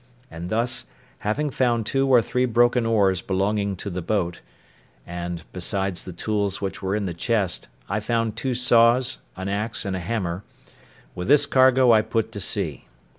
And thus, having found two or three broken oars belonging to the boat—and, besides the tools which were in the chest, I found two saws, an axe, and a hammer; with this cargo I put to sea.